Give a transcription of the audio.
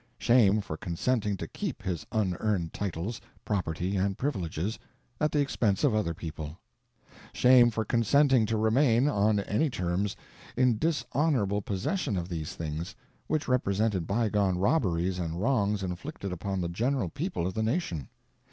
Shame for consenting to keep his unearned titles, property, and privileges—at the expense of other people; shame for consenting to remain, on any terms, in dishonourable possession of these things, which represented bygone robberies and wrongs inflicted upon the general people of the nation.